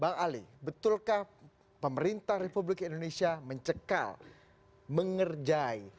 bang ali betulkah pemerintah republik indonesia mencekal mengerjai